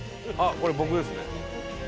これ僕ですね」